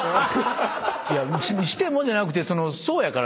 いや「しても」じゃなくてそうやから。